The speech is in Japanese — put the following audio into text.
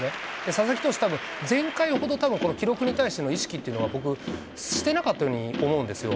佐々木投手、たぶん、前回ほどこの記録に対しての意識っていうのは僕、してなかったように思うんですよ。